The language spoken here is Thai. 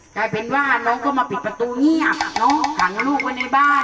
กลายเป็นว่าน้องก็มาปิดประตูเงียบน้องขังลูกไว้ในบ้าน